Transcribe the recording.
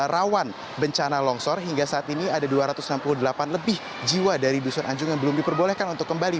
rawan bencana longsor hingga saat ini ada dua ratus enam puluh delapan lebih jiwa dari dusun anjung yang belum diperbolehkan untuk kembali